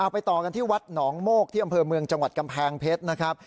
ไปต่อกันที่วัดหนองโมกที่อำเภอเมืองจังหวัดกำแพงเพชรนะครับ